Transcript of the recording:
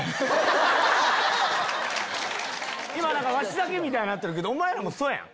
ワシだけみたいになってるけどおまえらもそうやん！